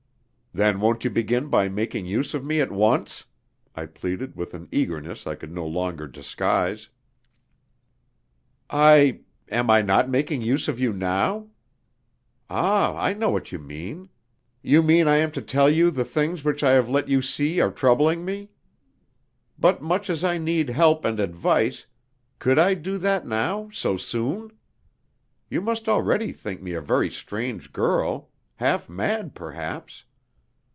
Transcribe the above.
"Then won't you begin by making use of me at once?" I pleaded with an eagerness I could no longer disguise. "I am I not making use of you now? Ah, I know what you mean! You mean I am to tell you the things which I have let you see are troubling me? But much as I need help and advice, could I do that now, so soon? You must already think me a very strange girl half mad perhaps.